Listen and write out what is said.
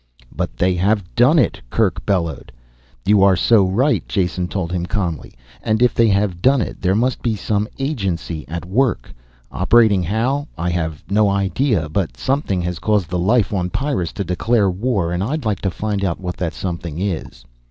"But they have done it!" Kerk bellowed. "You are so right," Jason told him calmly. "And if they have done it there must be some agency at work. Operating how I have no idea. But something has caused the life on Pyrrus to declare war, and I'd like to find out what that something is.